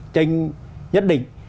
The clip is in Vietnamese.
tranh nhất định